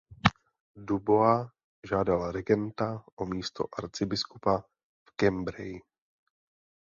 Dubois žádal regenta o místo arcibiskupa v Cambrai.